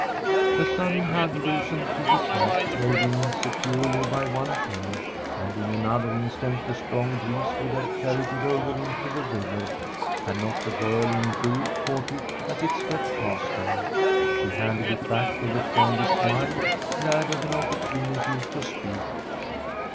The sudden hug loosened Kitty's hat, held insecurely by one pin, and in another instant the strong breeze would have carried it over into the river had not the girl in blue caught it as it swept past her. She handed it back with a friendly smile, glad of an opportunity to speak.